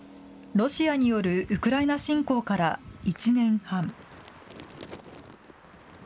ロシアによるウクライナ侵攻から１年半。